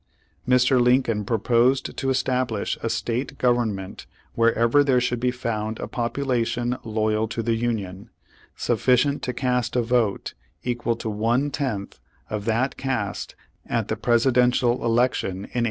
Mr. Lincoln proposed to establish a State gov ernment wherever there should be found a popu lation loyal to the Union, sufficient to cast a vote equal to one tenth of that cast at the Presidential election in 1860.